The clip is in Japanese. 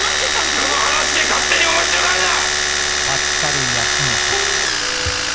「人の話で勝手に面白がるな！」。